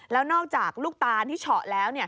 แล้วนอกจากลูกตานที่เฉาะแล้ว